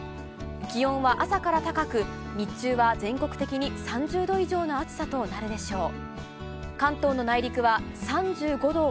気温は朝から高く、日中は全国的に３０度以上の暑さとなるでしょう。